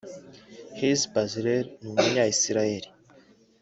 Hezi Bezalel ni Umunya-Israel